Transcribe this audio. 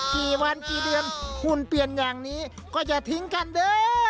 กี่วันกี่เดือนหุ่นเปลี่ยนอย่างนี้ก็อย่าทิ้งกันเด้อ